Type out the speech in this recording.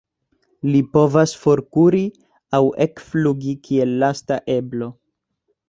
Ili povas forkuri aŭ ekflugi kiel lasta eblo.